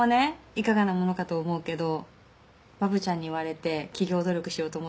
いかがなものかと思うけどわぶちゃんに言われて企業努力しようと思ったんだね